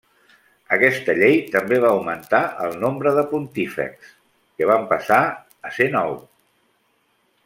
Aquesta llei també va augmentar el nombre de pontífex, que van passar a ser nou.